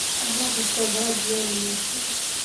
انا به سبا بیا لمونځ کوي.